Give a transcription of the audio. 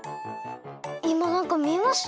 いまなんかみえました？